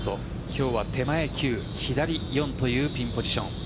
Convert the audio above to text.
今日は手前９、左４というピンポジション。